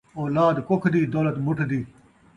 اولاد کُکھ دی، دولت مُٹھ دی